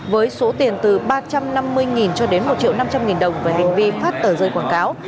với số tiền từ ba trăm năm mươi cho đến một triệu năm trăm linh đồng về hành vi phát tờ rơi quảng cáo